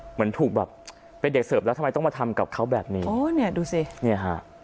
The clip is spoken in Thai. เหมือนถูกแบบเป็นเด็กเสิร์ฟแล้วทำไมต้องมาทำกับเขาแบบนี้